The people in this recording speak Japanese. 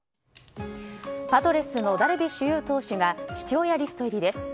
パドレスのダルビッシュ有投手が父親リスト入りです。